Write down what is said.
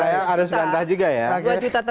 saya harus bantah juga ya